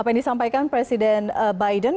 apa yang disampaikan presiden biden